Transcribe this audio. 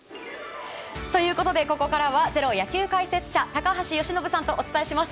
ここからは「ｚｅｒｏ」野球解説者の高橋由伸さんとお伝えします。